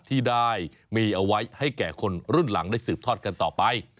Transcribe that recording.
ที่ได้มีเอาไว้ให้แก่คนรุ่นหลังได้สืบทอดกันต่อไป